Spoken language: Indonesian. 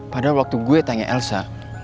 pada waktu gue tanya elsa